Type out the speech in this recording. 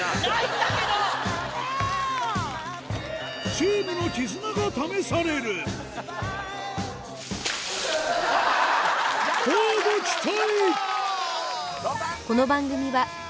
チームの絆が試される乞うご期待！